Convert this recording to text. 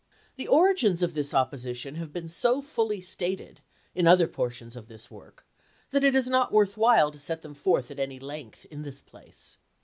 The origins of this opposition have been so fully stated, in other portions of this work, that it is not worth whUe to set them forth at any length in this place.